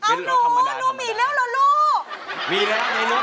อ้าวนูนูมีแล้วหรอลูก